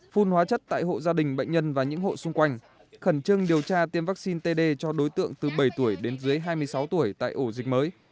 phun hóa chất tại hộ gia đình bệnh nhân và những hộ xung quanh khẩn trương điều tra tiêm vaccine td cho đối tượng từ bảy tuổi đến dưới hai mươi sáu tuổi tại ổ dịch mới